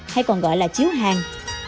hay còn gọi là chiếu hàng